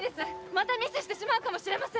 またミスしてしまうかもしれません